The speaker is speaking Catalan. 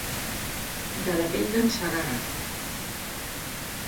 De la pell d'en Segarra.